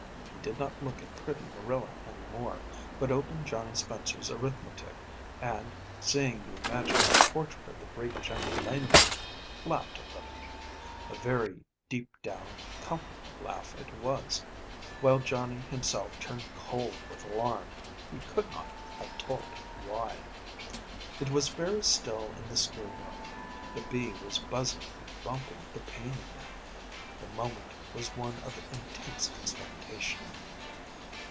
He did not look at pretty Marilla any more, but opened Johnny Spencer's arithmetic, and, seeing the imaginary portrait of the great General Laneway, laughed a little, a very deep down comfortable laugh it was, while Johnny himself turned cold with alarm, he could not have told why. It was very still in the school room; the bee was buzzing and bumping at the pane again; the moment was one of intense expectation.